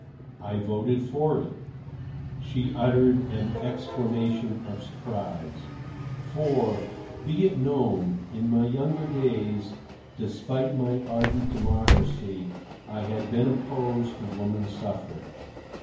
"I voted for it." She uttered an exclamation of surprise. For, be it known, in my younger days, despite my ardent democracy, I had been opposed to woman suffrage.